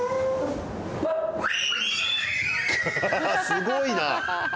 すごいな。